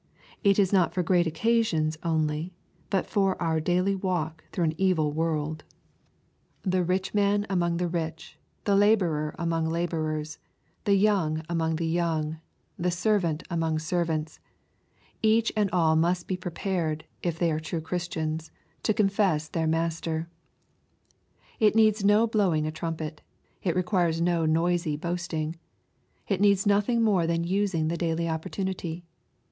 It is not for great occasions only, I'ut for our daily walk through an evil world. Tho LUKE, CHAP. XII. 65 rich man among the rich, the laborer among laborers, the young among the young, the servant among ser vants,— each and all must be prepared, if they are true Christians, to confess their Master. It needs no blowing a trumpet. It requires no noisy boasting. It needs noth ing more than using the daily opportunity.